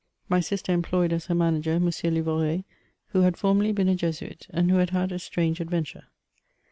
My sister employed as her manager M. Livoret, who had formerly been a Jesuit, and who had had a strange adventure.